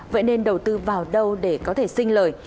vậy nên đầu tư vào đâu để có thể sinh lời